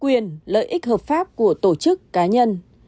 quyền lợi ích hợp pháp của tổ chức cá nhân